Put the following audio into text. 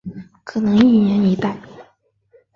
可能一年一代。